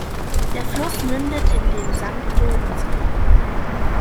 Der Fluss mündet in den Sankt-Lorenz-Golf.